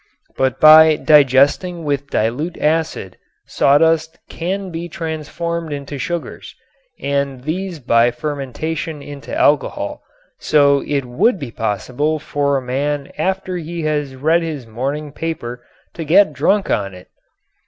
But by digesting with dilute acid sawdust can be transformed into sugars and these by fermentation into alcohol, so it would be possible for a man after he has read his morning paper to get drunk on it.